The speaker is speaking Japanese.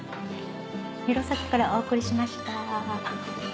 弘前からお送りしました。